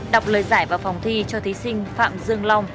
đọc lời giải vào phòng thi cho thí sinh phạm dương long